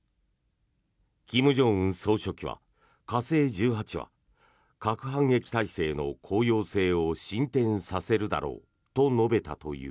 金正恩総書記は火星１８は核反撃体制の効用性を進展させるだろうと述べたという。